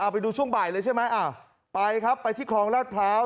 ไปดูช่วงบ่ายเลยใช่ไหมไปครับไปที่คลองราชพร้าว